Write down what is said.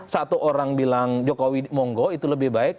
satu orang bilang jokowi monggo itu lebih baik